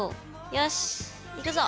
よしいくぞ！